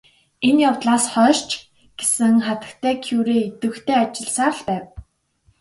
Энэ явдлаас хойш ч гэсэн хатагтай Кюре идэвхтэй ажилласаар л байв.